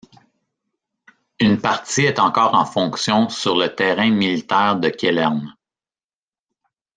Une partie est encore en fonction sur le terrain militaire de Quélern.